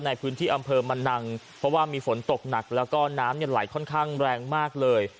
ในพื้นที่อำเภอมะนังเพราะว่ามีฝนตกหนักแล้วก็น้ำเนี่ยไหลค่อนข้างแรงมากเลย